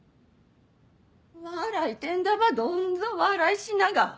笑いてんだばどんぞ笑いしなが。